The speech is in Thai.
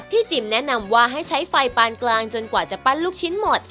จิมแนะนำว่าให้ใช้ไฟปานกลางจนกว่าจะปั้นลูกชิ้นหมด